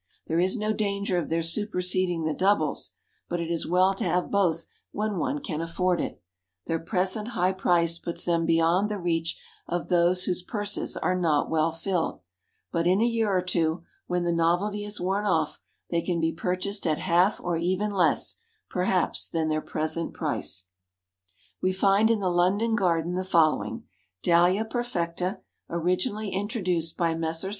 There is no danger of their superseding the doubles, but it is well to have both when one can afford it; their present high price puts them beyond the reach of those whose purses are not well filled, but in a year or two, when the novelty is worn off, they can be purchased at half or even less, perhaps, than their present price. We find in the London Garden the following: "Dahlia perfecta, originally introduced by Messrs.